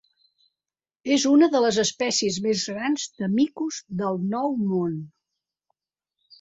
És una de les espècies més grans de micos del Nou Món.